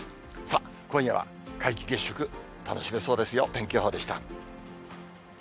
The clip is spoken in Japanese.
さあ、今夜は皆既月食、楽しめそうですよ、天気予報でした。